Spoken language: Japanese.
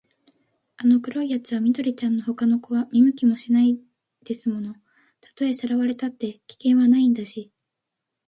あの黒いやつは緑ちゃんのほかの子は見向きもしないんですもの。たとえさらわれたって、危険はないんだし、